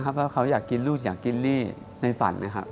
บ๊วยบ๊วยว่าเขาอยากกินรุ่นอยากกินนี่ในฝันนะครับ